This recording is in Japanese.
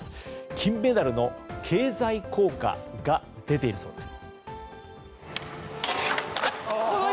金メダルの経済効果が出ているそうです。